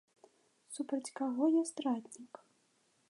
Супраць каго я здраднік?!